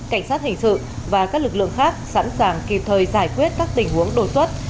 cảnh sát hình sự và các lực lượng khác sẵn sàng kịp thời giải quyết các tình huống đột xuất